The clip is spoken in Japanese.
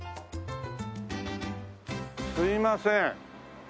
すいません。